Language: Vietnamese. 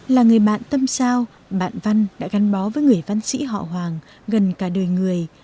là người bạn tâm sao bạn văn đã gắn bó với người văn sĩ họ hoàng gần cả đời người